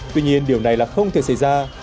tuy nhiên điều này là không thể xảy ra